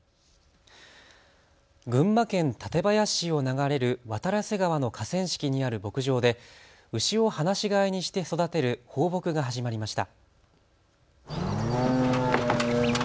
群馬県館林市を流れる渡良瀬川の河川敷にある牧場で牛を放し飼いにして育てる放牧が始まりました。